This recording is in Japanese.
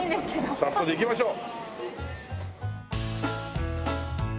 早速行きましょう。